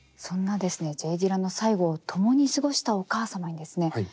そんなですねＪ・ディラの最期を共に過ごしたお母様にですね